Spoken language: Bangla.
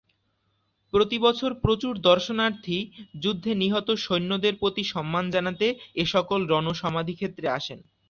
প্রতিবছর প্রচুর দর্শনার্থী যুদ্ধে নিহত সৈন্যদের প্রতি সম্মান জানাতে এসকল রণ সমাধিক্ষেত্রে আসেন।